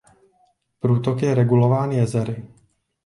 Průtok je regulován jezery.